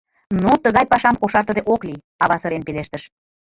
— Ну, тыгай пашам кошартыде ок лий! — ава сырен пелештыш.